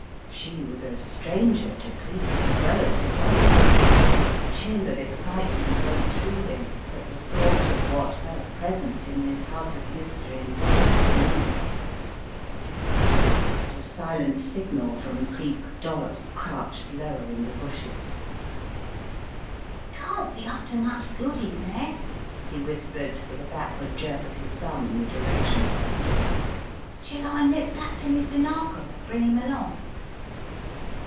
She was a stranger to Cleek, as well as to Dollops, and a chill of excitement went through him at the thought of what her presence in this house of mystery and death meant. At a silent signal from Cleek Dollops crouched lower in the bushes. "Can't be up to much good in there," he whispered with a backward jerk of his thumb in the direction of the house. "Shall I nip back to Mr. Narkom and bring him along?"